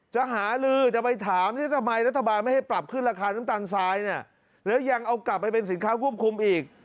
จะหาลือจะไปถามทำไมรัฐบาลไม่ให้ปรับขึ้นราคาน้ำตาลทรายเนี่ยแล้วยังเอากลับไปเป็นสินค้าควบคุมอีก